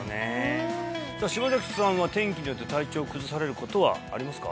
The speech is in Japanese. うんさあ島崎さんは天気によって体調崩されることはありますか？